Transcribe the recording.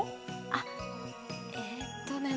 あっえっとね